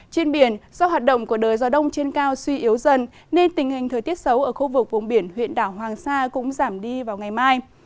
trên biển do hoạt động của đời gió đông trên cao suy yếu dần nên tình hình thời tiết xấu ở khu vực vùng biển huyện đảo hoàng sa cũng giảm đi vào ngày mai